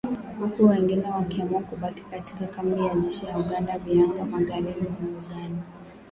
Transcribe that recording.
huku wengine wakiamua kubaki katika kambi ya jeshi la Uganda ya Bihanga magharibi mwa Uganda